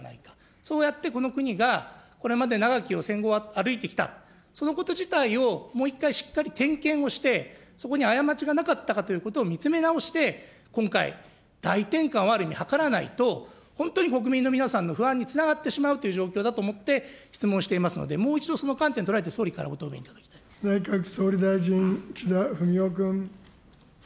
そうやって、この国が、これまで長き戦後を歩いてきた、そのこと自体をもう一回、しっかり点検をして、そこに過ちがなかったかということを見つめ直して、今回、大転換をある意味、図らないと、本当に国民の皆さんの不安につながってしまう状況だと思って、質問していますので、もう一度、その観点捉えて、総理内閣総理大臣、岸田文雄君。